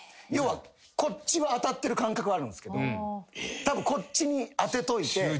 要はこっちは当たってる感覚はあるんすけどたぶんこっちに当てといて。